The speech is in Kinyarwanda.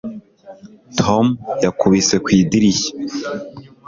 Tom yakubise ku idirishya